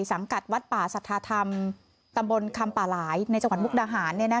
สังกัดวัดป่าสัทธาธรรมตำบลคำป่าหลายในจังหวัดมุกดาหาร